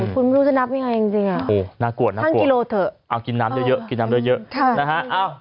คุณไม่รู้จะนับยังไงจริงน่ากลัว๕กิโลเถอะเอากินน้ำเยอะนะฮะ